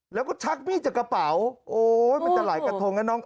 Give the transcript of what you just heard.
แล้วก็ชักมีดจากกระเป๋าโอ๊ยมันจะหลายกระทงนะน้อง